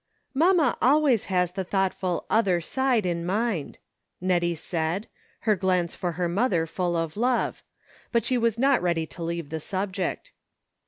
MAMMA always has the thoughtful 'other side' in mind," Nettie said, her glance for her mother full of love ; but she was not ready to leave the subject.